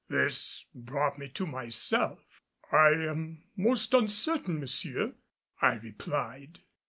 This brought me to myself. "I am most uncertain, monsieur," I replied.